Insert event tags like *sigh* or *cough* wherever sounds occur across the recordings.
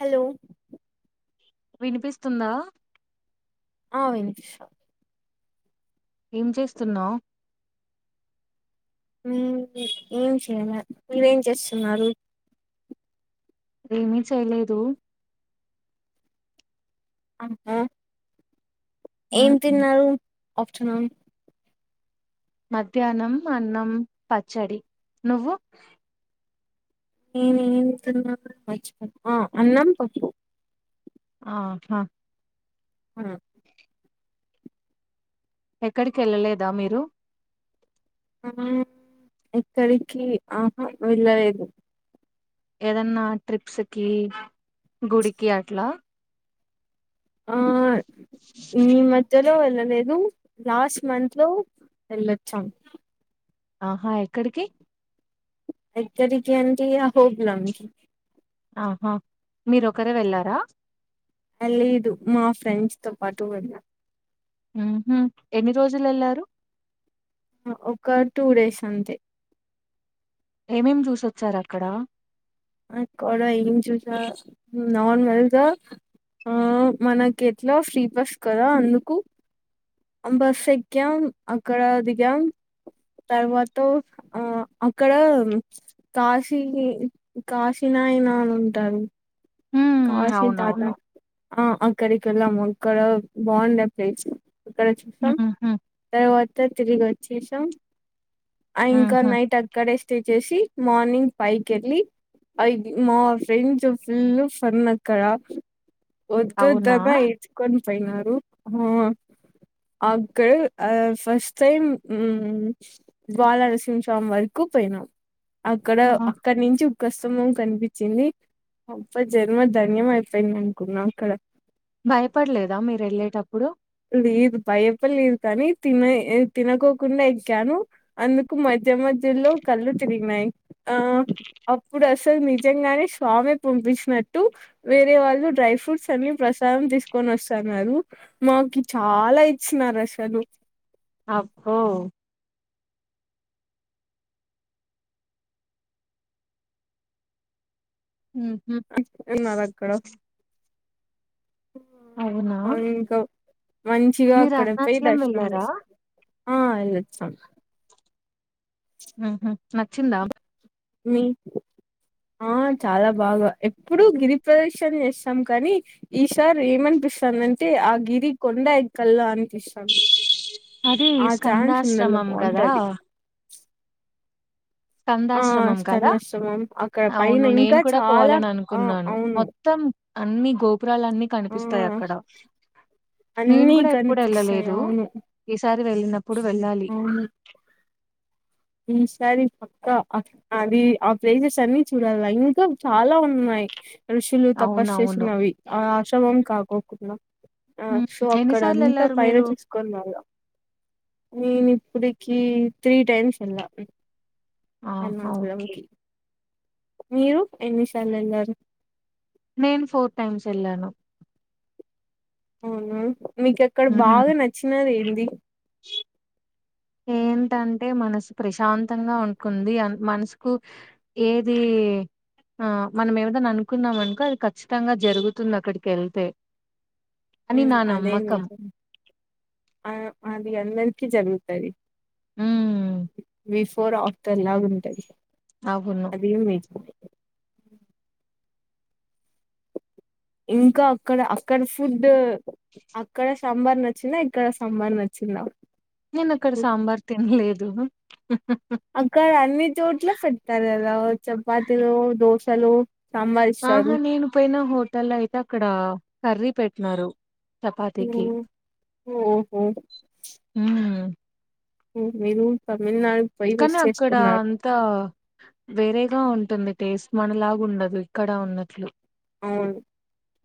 Hello వినిపిస్తుందా ఆ వినిష ఏం చేస్తున్నావు ఏం చేయాల ను్వేం చేస్తున్నారు ఏమీ చేయలేదు అ ఏం ఉమ్, తిన్నారు ఆప్షన్ మధ్యాహ్నం అన్నం పచ్చడి నువ్వు నేను ఏతున్నాచ్చి అన్నాం పప్పు ఆహా ఆ ఎక్కడికి వెళ్ళలేదా మీరు ఆ ఏక్కడికి ఆహ వెళ్ళలేదు ఏదన్నా ట్రిప్స్కి గుడికి అట్లా ఆర్ ఈ మద్యల్ ఇలో వెళ్ళలేదు లాస్ట్ మంత్ లో వెళ్ళొచ్చాం ఆహా ఎక్కడికి ఎక్కడికి అంటే హహోబిలంస్ ఆహా మీరు ఒకరే వెళ్ళారా లేదు మా ఫ్రెండ్స్ తో పాటు వెళ్ళాం ఎన్ని రోజులు ఏళ్ళారు ఒక టూ డేస్ అంతే ఏమేం చూసొచ్చారు అక్కడ నార్మల్గా ఆ మనకి ఎట్లా ఫ్రీ బస్ కదా అందుకు బస్ ఎక్కం అక్కడ దిగాం తర్వాత ఆ అక్కడ కాశీ కాశినయనా అని ఉంటారు ఉమ్ కాశి దాదా అవునవును ఆ అక్కడికి వెళ్ళాము అక్కడ బాగుంద ప్లేస్ ఇక్కడ చూసాం ఉహు తర్వాత తిరిగి వ చేసాం ఆ ఇంకా ఉహు నైట్ అక్కడే చేసి మార్నింగ్ ఫైవ్ కి వెళ్ళి ఐ మా ఫ్రెండ్స్ ఫుల్ పన్నక్కడ అవునా వద్దుద్దబా ఈడ్చుకొని పోయినారు అక్క ఆ ఫస్ట్ టైమ్ జ్వాలరసింహ స్వామి వరకు పోయినాం అక్కడ ఆ అక్కడినుంచి కష్టము కనిపించింది జన్మ ధన్యం అయిపోయింది అనుకున్నాం అక్కడ భయపడలేదా మీరు వెళ్ళేటప్పుడు లేదు భయప లేదు కానీ తిన తినకోకుండా ఎగాను అందుకు మధ్య మధ్యలో కళ్ళు తిరిగినాయి ఆ అప్పుడు అసలు నిజంగానే స్వామి పంపించినట్ టు వేరే వాళ్ళు డ్రై ఫ్రూట్స్ అన్ని ప్రసాదం తీసుకొని వస్తున్నారు నాకు మాకి చాలా ఇచ్చన్నారు అసలు అహో ఉహు ఏన్నారు అక్కడ అవునా ఇంకా మంచిగా మీరు అక్కడ పోయి అరుణాచలం దర్శనం వెళ్ళారా? చేసుకో ఆ ఎల్లోచ్చాం ఆహా నచ్చిందా బా మీ ఆ చాలా బాగా ఎప్పుడు గిరి ప్రదక్షణ చేస్తాం కానీ ఈసారి ఏమనిపిస్తుందింటే ఆ గిరి కొండ ఎక్కలా అనిపిస్తుంది అది ఆ ఛాన్స్ ఉండల్ల స్కందాశ్రమం కదా బాగుంటది ఆ కదా! స్కందష్టమం అక్కడ పైన అవును. నేను ఇంకా కూడా చాలా ఆ అవును అన్మి గోప్ పురాలన్ని ఆ కనిపిస్తాయి అక్కడ నేను అన్ని కూడా ఎప్పుడు కనిపిస్తాయి ఎళ్ళలేదు అవును ఈసారి వెళ్ళినప్ ఇప్పుడు వెళ్ళాలి అవును ఈసారి పక్క అ అది ఆ ప్లేసెస్ అన్ని చూడాలంతా చాలా ఉన్నాయి ఋషులు తపస్ అవునవును. చేసినవి ఆ ఆశ్రమం కాకోకున్నా ఆ హ్మ్. సో ఎన్ని అక్కడ అంతా సార్లెళ్లారు పైన మీరు? చూసుకొన్నాళ్ళం నేను ఇప్పుడు కీ త్రీ టైమ్స్ ఇల్లా ఆహా! ఓకే. అన్నంవంచలంకి మీరు ఎన్ని సార్లెల్లారు నేను ఫోర్ టైమ్స్ వెళ్ళాను అవునా మీకక్కడ హ్మ్. బాగా నచ్చినది ఏంది ఏంటంటే మనసు ప్రశాంతంగా ఉంటుంది మనసుకు ఏది ఆ మనం ఏదన్నా అనుకున్నామ అనుకో అది కఖచ్చితంగా జరుగుతుంది అక్కడికెళ్తే అని ఉ నా అదేం నమ్మకం. నిజం ఆ అది అందరి కి జరుగుతది హ్మ్ ఫోర్ ఆఫ్టర్ లా ఉంటయి అవును అది నిజం ఇంకా అక్కడ అక్కడ ఫుడ్ అక్కడ సాంబార్ నచ్చిందా ఇక్కడ సాంబార్ నచ్చిందా నేను అక్కడ సాంబార్ తిన్లేద్ నువ్వు అక్కడ అన్ని చోట్ల పెడతారు కదా చపాతిలో దోస్ సలో ఆహా నేను పోయిన హోటల్ అయితే అక్కడ కర్రీ పెట్టినారు హు చపాతీకి. ఊహు హ్మ్ మీరు తమిళనాడు పోయి కానీ మిస్ అక్కడ చేసుకున్నారు అంతా వేరేగా ఉంటుంది టేస్ట్ మనలాగా ఉండదు ఇక్కడ ఉన్నట్లు అవును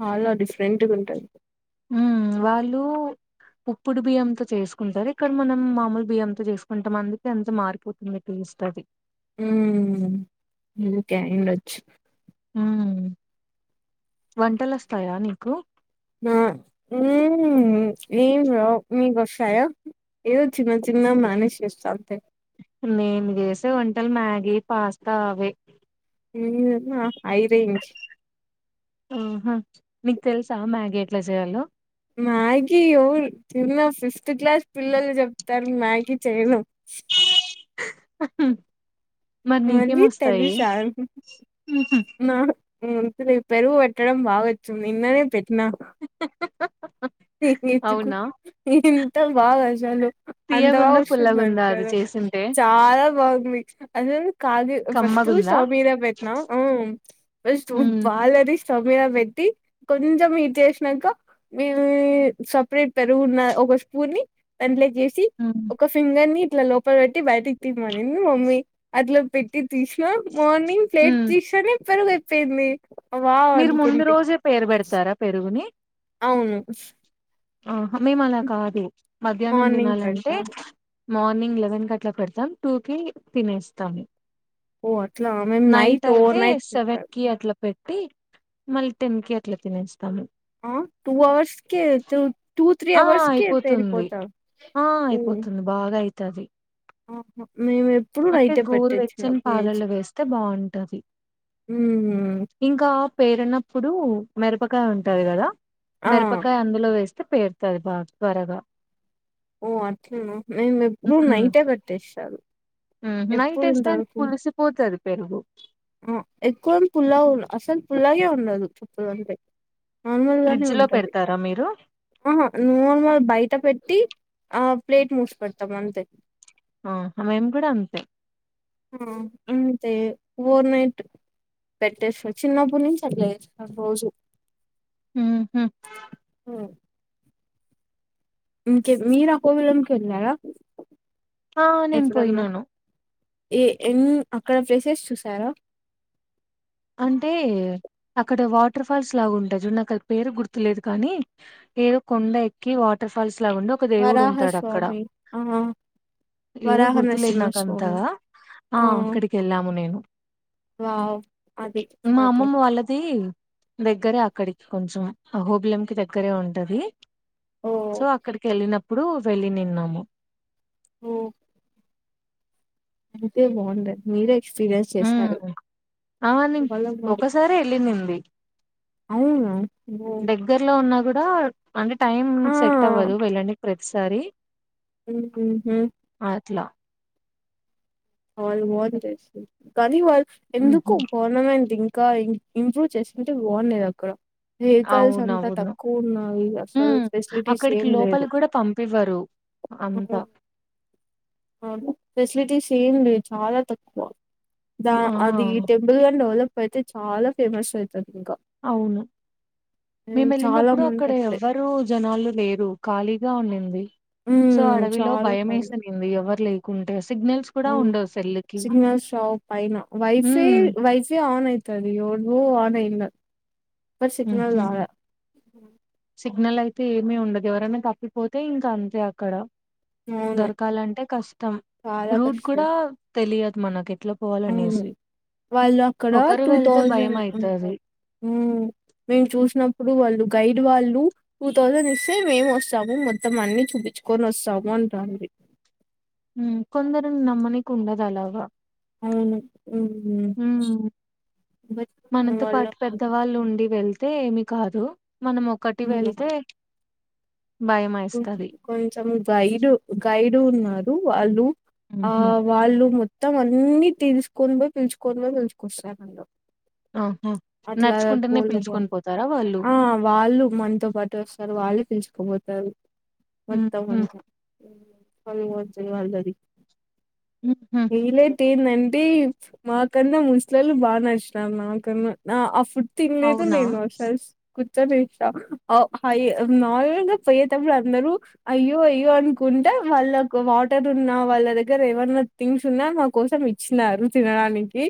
ఆల్ల డిఫరెంట్ గుంటారు ఉ వాళ్ళు ఉప్పుడు బియ్యంతో చేసుకుంటారు ఇక్కడ మనం మామూలు బియ్యంతో చేసుకుంటాం అందుకే అంత మారిపోతుంది టేస్ట్ అది హ్మ్ ఇంకే అయివుండచ్చు మ్మ్ వంటలు వస్తాయా నీకు ఆ *inaudible* నీకొస్తాయా ఏదో చిన్న చిన్నగా మ్యానేజ్ చేస్తా మేను చేసే వంటలు మ్యాగీ, పాస్తా అవే ఏమి చేత్తున్నావ్ మ్మ్ హ్మ్ మీకు తెలుసా మ్యాగీ ఎట్లా చేయాలో మ్యాగీ చిన్న ఫిఫ్త్ క్లాస్ పిల్లలు చెప్తారు మ్యాగీ చేయడం ్హ్హ్ మళ్లీ ఉహు. *unintelligible* పెరుగు పెట్టడం బావొచ్చు నిన్ననే పెట్ నా అవునా ఎంత బాగా అసలు అంత బాగా తీయగుందా పుల్లగుందా అది వస్తుందనుకోలే, చేసింటే చాలా బాగుంది అసలు కా ఫస్ట్ కమ్మగుందా స్టావ్ మీద పెట్నాం ఫస్ట్ ఉమ్ బాలేది చమీరా పెట్టి కొంచెం మీట్ చేసినాక మీ సపరేట్ పెరుగున్న ఒక స్పూన్ ని దాంట్లే వేసి ఒక ఫింగర్ ని ఇట్లా లోపల పెట్టి బయటికి తిమ్మనింది మమ్మీ అట్లా పెట్టి తీసినా మార్నింగ్ ప్లేట్ ఉమ్ తీస్తానే పరుగు ఎ సే మీ మీరు ముందు రోజే పేరు పెడతారా పెరుగుని అవును ఆ మేము అలా కాదు మధ్యాహ్నం మార్నింగ్ తినాలంటే పెడతా మార్నింగ్ లెవెన్ కట్లా పెడతా టూ కీ తినేస్తాము ఓ అట్లా మేం నైట్ ఓవర్ అయితే నైట్ *inaudible* సెవెన్ కి అట్లా పెట్టి మళ్ళీ టెన్ కి అట్లా తినేస్తాను ఆ టూ అవర్స్ కె టూ, త్రీ ఆ అవర్స్ కే అయిపోతుంది తేలిపోతాం మ్మ్ తది *inaudible* అంటే నైటే గోరు పెట్టేది వెచ్చని చిన్నప్పటి పాలల్ల నుంచి వేస్తే బాగుంటది ఉమ్ ఇంకా పేరన ప్పుడు మిరపకాయ ఉంటది కదా ఆ మిరపకాయ అందులో వేస్ పేరుతది బా త్వరగా ఓ అట్లన మేము ఎప్పుడు నైటే పెట్టేస్తారు మ్మ్ హ్మ్ నైట్ ఎప్పుడు ఏస్తే అది ఇంతవరకు పులిసి పోతది పెరుగు ఎక్కువ పుల్ల అసలు పుల్లగే ఉండదు ఎప్పుడు అంతే నార్మల్ గానే ఫ్రిడ్జ్‌లో ఉంటది పెడతారా మీరు? ఆహా నార్మల్ బయట పెటి టి ఆ ప్లేట్ మూసి పెడతాం అంతే ఆ మేమేం గూడా అంతే ఆ అంతే ఓవర్ నైట్ పెట్టేస్త చిన్నప్పుటి అంతే పోజు ఊ హు మ్ ఇంకే మీరు ఆ కోవలోనికెళ్ళారా ఆ నేను పోయినాను ఏ ఎం అక్కడ ప్లేసెస్ చూసారా అంటే అక్కడ వాటర్ ఫాల్స్ లగా ఉంటయి జూడు నా కది పేరు గుర్తులేదు కానీ ఏదో కొండ ఎక్కి వాటర్ ఫాల్స్ అట్లా ఉండి ఒక దేవుడు వరాహ ఉంటాడు అక్కడ స్వామి ఆ ఏదో వరాహ గుర్తులేదు నాక నరసింహస్వామి అంతగా ఆ అక్కడికి ఎళ్ళాము నేను వావ్ అది మా కాదు. అమ్మమ్మ వాళ్ళదీ ఉ దగ్గరే అక్కడికి కొంచం అహోబిలం కి దగ్గరే ఉంటది ఓ సో అక్కడికి ఎళ్ళినప్పుడు వెళ్ళి నిన్నాము ఓ అంతే బాగుండది మీరే ఎక్స్పీరియన్స్ ఉ చేశారు ఆ నేను వాళ్ళ- ఒకసారి వెళ్ళి నింది అవునా బ అంటే టైం ఆ సెట్ అవ్వదు వెళ్ళనికీ ప్రతి టైం సరీ ఉహూ వాల్ మ చే కాగాని వాల్ ఎందుకు ఉహు గవర్నమెంట్ ఇంకా ఇంప్రూవ్ చేసుకుంటే బాగుండేది అక్కడ వెహికల్స్ అంతా అవునవును తక్కువ ఉన్నాయి అసలు ఉమ్ ఫెసిలిటీస్ అక్కడికి ఏం లోపలి లేదు కూడా పంపివ్వరు అంతా అవను ఫెసిలిటీస్ ఏమ్ లేదు చాలా తక్కువ దా ఆ అది ఈ టెంపుల్ కానీ డెవలప్ అయితే చాలా ఫేమస్ అవుతుది అవును హ్మ్, మేము చాలా వెళ్ళినప్పుడు మంది అక్కడ అట్లే ఎవ్వరు జనాలు లేరు ఖాళీ గా ఉండింది సో మ్మ్ అడవిలో చాలా భయం కళ్ళు వేసినింది ఎవ్వరు లే కుంటే అవును సిగ్నల్ షాప్ అయినా వైఫై ఉమ్ వైఫై ఆన్ యిత సదిోనుో ఆన ఇలా ఇక్కడ సిగ్నల్ ఉహు రాలే హ్మ్ సిగ్నల్ అయితే ఏమీ ఉండదు ఎవరనా తప్పిపోతే ఇంకా అంతే అక్కడ. అవును దొరకాలంటే కష్టం రూట్ కూడా తెలియద్. మనకి ఊ వాళ్ళు అక్కడ ఒకరు టూ వెళ్తే భయం థౌజండ్ అయితది ఉంటర్ ఉ మేము చూసినప్పుడు వాళ్ళు గైడ్ వాళ్ళు టూ థౌసండ్ ఇస్తే మేమే వస్తాము మొత్తం అన్ని చూపించుకొని వస్తాము అంటారు. కొందరిని నమ్మనీకి ఉండదు అలాగా. అవును హు ఉమ్ అయితే ఏమి కాదు మనం ఒకటి వెళ్తే భయం వేస్తది కొంచెం గైడు గైడ్ ఉన్నారు వాళ్ళు ఆ ఉహు వాళ్ళు మొత్ మొత్తం అన్ని తీసుకొని పోయి పిలుచుకొని పోయి పిలుచుకొస్తరు. ఆహా అట్లా పో నడుచుకుంటేనే పో పిలుచుకొని పోతారా వాళ్ళు ఆ వాళ్ళు మనతో పాటు వస్తారు వాళ్ళే పిలుచుక్ కపోతారు మొత్తం అంతా వాళ్ బోతే వాళ్ దరిక్ ఉహు ఈళ్ళయితేందంటె మా కన్నా ముస్లోల్లు బా నచ్చినారు మా కన్నా ఆ ఆ ఫు తిన్లేదు అవునా నేను సస్ కూర్చొని ఇష్ట హై నార్మల్ గా పోయేటప్పుడు అందరూ అయ్యో అయ్యో అనుకుంటే వాళ్ళకు వాటర్ ఉన్నా వాళ్ళ దగ్గర ఏమైన్నా థింగ్స్ ఉన్నా మా కోసం ఇచ్చినారు తినడానికి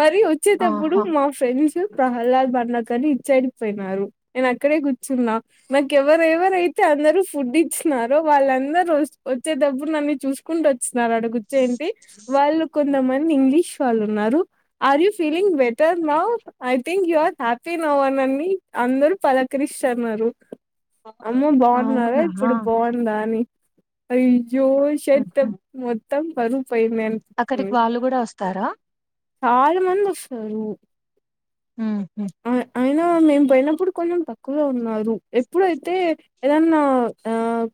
మరి వచ్చేటప్పుడు ఆహా మా ఫ్రెండ్స్ ప్రహ్లాద్ బండక్ అని ఇచ్చడిపోయినారు నేను అక్కడే కూర్చున్నా నాకు ఎవర్ ఎవరెవరైతే అందరు ఫుడ్ ఇచ్చారో వాళ్ళందరూ వచ్చే డబు నన్ను చూసుకుంటూ స్తున్నారు ఆడ గుర్చోంటి వాళ్ళు కొంతమంది ఇంగ్లీష్ వాళ్ళు ఉన్నారు are you feeling better now I think you are happy now అని అందరు పలకరిస్తన్నారు. అమ్మ బాగున్నారా అవునా ఇప్పుడు బాగుందా అని అయ్ జోష్ అయితే ఉహు త్తం బరు అక్కడికి వాళ్ళు కూడా వస్ తారా చాలా మంది వస్తారు. హ ఆ- అయినా మేము పోయినప్పుడు కొంచెం తక్కువగా ఉన్నారు ఎప్పుడైతే ఏదన్నా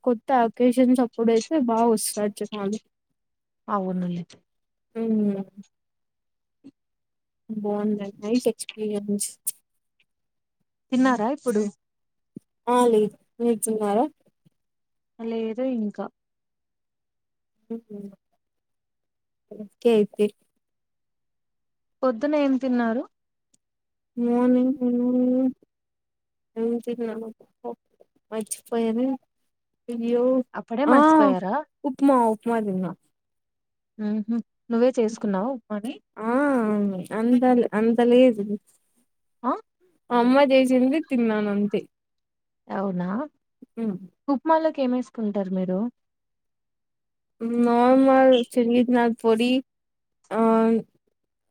కొత్త ఒక్కేషన్స్ అప్పుడైతే బాగా వస్తుంది. అవును లే హ బాగుంద లైఫ్ ఎక్స్పీరియన్స్ తిన్నారా ఇప్పుడు ఆ న నిర్తుున్నారుారా అలా ఏద ఇనికా కతే పొద్దున ఏం తిన్నారు మార్నింగ్ వచిపోయారు అప్పుడే హా మర్చిపోయారా ఉప్మా సుమదిన్మా ఆహ నువ్వే చేసుకున్నావు అని ఉప్మాని అంద అంతలా ఏదు ఆ అమ్మ చేసింది తిన్నానంతే అవునా అ ఉప్మాలోకి ఏమేసుకుంటారు మీరు నార్మల్ సిరిజనాథ్ పొడి ఆ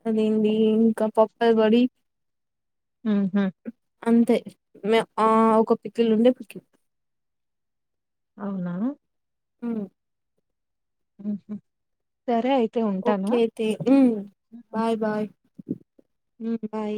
అదంది ఇంకా పప్పల పొడి హ హమ్ అంతే మ ఆ ఒక పిక్కిలు నుండడి పిక్కి అవునా ఆ సరే అయితే ఉంటాను ఓకేతే బాయ్ బాయ్ బాయ్